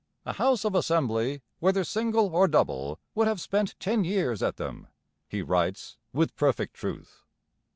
A House of Assembly, whether single or double, would have spent ten years at them,' he writes, with perfect truth.